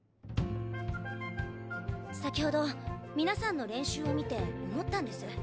先ほど皆さんの練習を見て思ったんです。